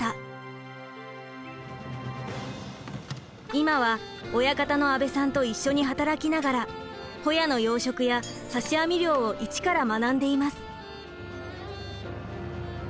今は親方の阿部さんと一緒に働きながらホヤの養殖や刺し網漁を一から学んでいます。